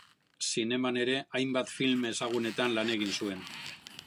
Zineman ere hainbat filma ezagunetan lan egin zuen.